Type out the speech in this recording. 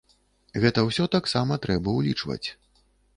Гэта ўсё таксама трэба ўлічваць.